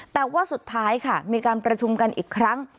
แต่ว่าสุดท้ายค่ะมีการประชุมกันอีกครั้ง